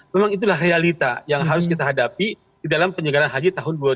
memang itulah realita yang harus kita hadapi di dalam penyelenggaran haji tahun dua ribu dua puluh